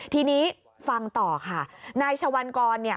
ทีนี้ฟังต่อค่ะนายชวันกรเนี่ย